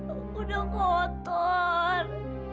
aku udah kotor